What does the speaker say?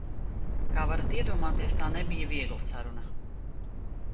Kā varat iedomāties, tā nebija viegla saruna.